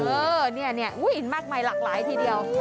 เออเนี่ยมากมายหลากหลายทีเดียว